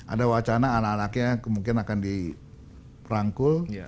ada wacana anak anaknya mungkin akan dirangkul